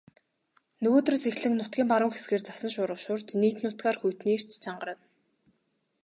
Нөгөөдрөөс эхлэн нутгийн баруун хэсгээр цасан шуурга шуурч нийт нутгаар хүйтний эрч чангарна.